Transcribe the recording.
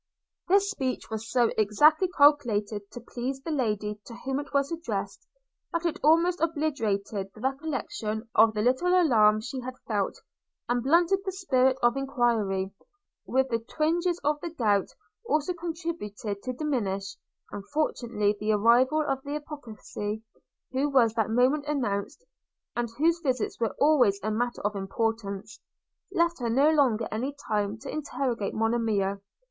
This speech was so exactly calculated to please the lady to whom it was addressed, that it almost obliterated the recollection of the little alarm she had felt, and blunted the spirit of enquiry, which the twinges of the gout also contributed to diminish; and fortunately the arrival of the apothecary, who was that moment announced, and whose visits were always a matter of importance, left her no longer any time to interrogate Monimia.